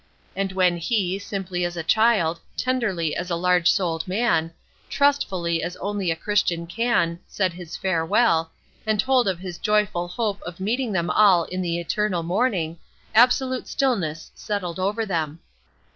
And when he, simply as a child, tenderly as a large souled man, trustfully as only a Christian can, said his farewell, and told of his joyful hope of meeting them all in the eternal morning, absolute stillness settled over them.